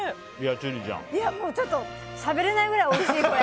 ちょっとしゃべれないぐらいおいしい、これ。